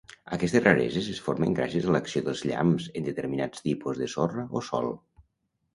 Aquestes rareses es formen gràcies a l'acció dels llamps en determinats tipus de sorra o sòl.